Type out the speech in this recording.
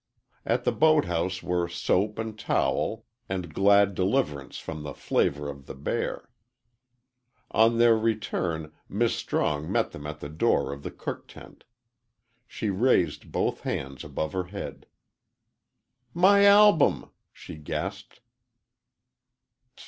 At the boat house were soap and towel and glad deliverance from the flavor of the bear. On their return "Mis' Strong" met them at the door of the cook tent. She raised both hands above her head. "My album!" she gasped.